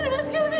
nggak kerasa asma